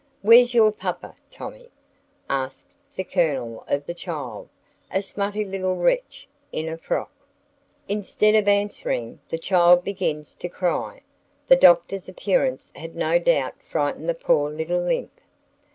"Where's your papa, Tommy?" asks the Colonel of the child, a smutty little wretch in a frock. Instead of answering, the child begins to cry; the Doctor's appearance had no doubt frightened the poor little imp.